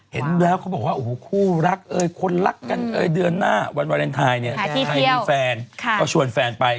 เห็นแล้วเขาบอกว่าคู่รักคนรักกันเดือนหน้าวันวาเลนไทยใครมีแฟนก็ชวนแฟนไป